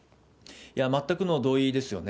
全くの同意ですよね。